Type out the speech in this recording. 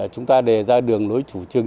chúng ta đề ra đường lối chủ trương